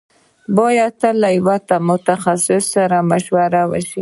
بايد تل له يوه متخصص سره مشوره وشي.